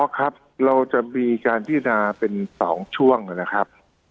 ครับเราจะมีการพินาเป็น๒ช่วงนะครับ